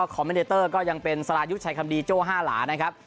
เมเดเตอร์ก็ยังเป็นสรายุทธ์ชัยคำดีโจ้ห้าหลานะครับ